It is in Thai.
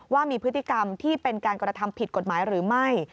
ว่ามีพฤติกรรมที่เป็นการกระทำผิดกฎหมายหรือไม่